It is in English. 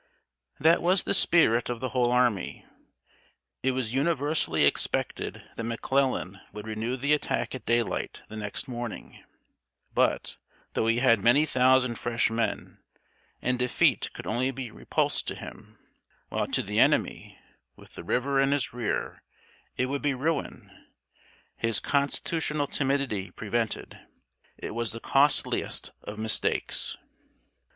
] That was the spirit of the whole army. It was universally expected that McClellan would renew the attack at daylight the next morning; but, though he had many thousand fresh men, and defeat could only be repulse to him, while to the enemy, with the river in his rear, it would be ruin, his constitutional timidity prevented. It was the costliest of mistakes.